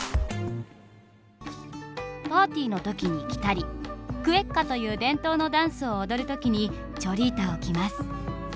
パーティーのときに着たりクエッカという伝統のダンスを踊るときにチョリータを着ます。